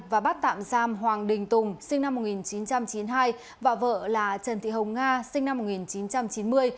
và bắt tạm giam hoàng đình tùng sinh năm một nghìn chín trăm chín mươi hai và vợ là trần thị hồng nga sinh năm một nghìn chín trăm chín mươi